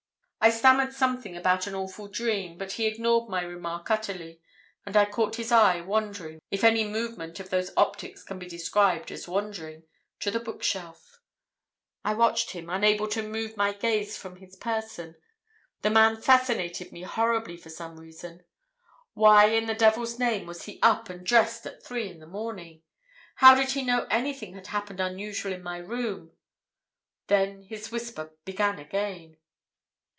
"I stammered something about an awful dream, but he ignored my remark utterly, and I caught his eye wandering next—if any movement of those optics can be described as 'wandering'—to the book shelf. I watched him, unable to move my gaze from his person. The man fascinated me horribly for some reason. Why, in the devil's name, was he up and dressed at three in the morning? How did he know anything had happened unusual in my room? Then his whisper began again.